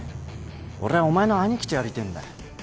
俺はお前のアニキとやりてえんだよ。